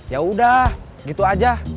ya udah gitu aja